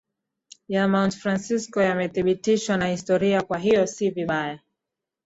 ya Mt Fransisko yamethibitishwa na historia Kwa hiyo si vibaya